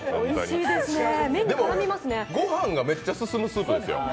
でも、ご飯がめっちゃ進むスープですよ。